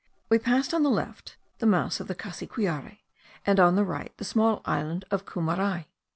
We passed, on the left, the mouth of the Cassiquiare, and, on the right, the small island of Cumarai.